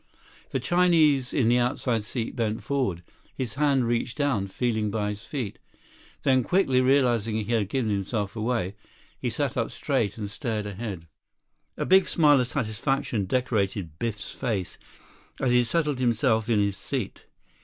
The Chinese in the outside seat bent forward. His hand reached down, feeling by his feet. Then, quickly realizing he had given himself away, he sat up straight, and stared ahead. 25 A big smile of satisfaction decorated Biff's face as he settled himself in his seat.